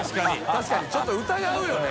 確かにちょっと疑うよね。